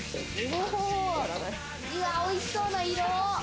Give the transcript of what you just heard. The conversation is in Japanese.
おいしそうな色。